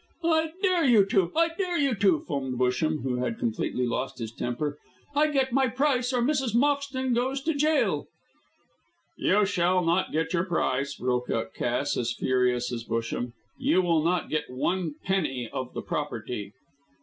"I dare you to! I dare you to!" foamed Busham, who had completely lost his temper. "I get my price, or Mrs. Moxton goes to gaol." "You shall not get your price," broke out Cass, as furious as Busham. "You will not get one penny of the property."